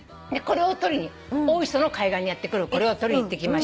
大磯の海岸にやって来るこれを撮りに行ってきました。